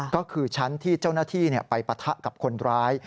ก็คือชั้นที่เจ้าหน้าที่ไปปะทะกับคนร้าย